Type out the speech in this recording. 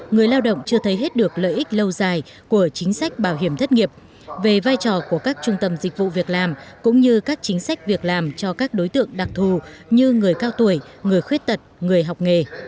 người lao động chưa thấy hết được lợi ích lâu dài của chính sách bảo hiểm thất nghiệp về vai trò của các trung tâm dịch vụ việc làm cũng như các chính sách việc làm cho các đối tượng đặc thù như người cao tuổi người khuyết tật người học nghề